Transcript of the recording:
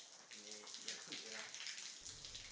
ini biasa ya